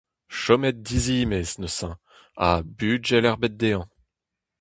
Chomet dizimez, neuze… Ha bugel ebet dezhañ !